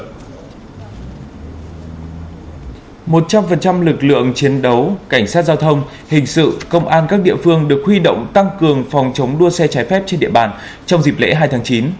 một trăm linh lực lượng chiến đấu cảnh sát giao thông hình sự công an các địa phương được huy động tăng cường phòng chống đua xe trái phép trên địa bàn trong dịp lễ hai tháng chín